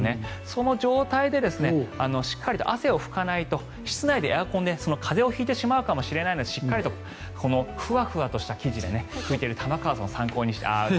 その状態でしっかりと汗を拭かないと室内でエアコンで風邪を引いてしまうかもしれないのでしっかりとふわふわとした生地で拭いている見ている玉川さんを参考に。